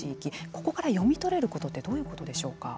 ここから読み取れることはどういうことでしょうか。